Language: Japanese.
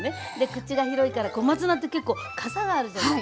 口が広いから小松菜って結構かさがあるじゃない？